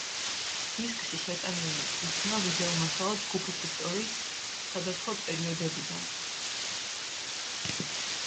დისკში შეტანილი იქნა ვიდეომასალა ჯგუფის ისტორიის სხვადასხვა პერიოდებიდან.